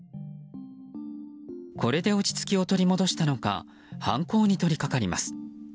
これで落ち着きを取り戻したのか犯行に取り掛かります。